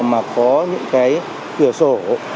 mà có những cái cửa sổ